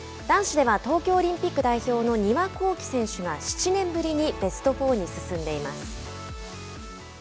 男子では東京オリンピック代表の丹羽孝希選手が７年ぶりにベスト４に進んでいます。